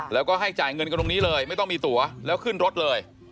แล้วก็ให้จ่ายเงินกันตรงนี้เลยไม่ต้องมีตัวแล้วขึ้นรถเลย